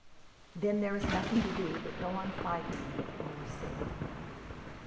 "Then there is nothing to do but to go on fighting," Moore said.